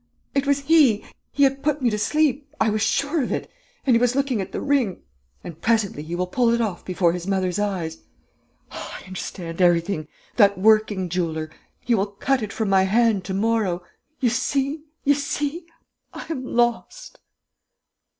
It was he! He had put me to sleep, I was sure of it ... and he was looking at the ring.... And presently he will pull it off before his mother's eyes.... Ah, I understand everything: that working jeweller!... He will cut it from my hand to morrow.... You see, you see.... I am lost!..."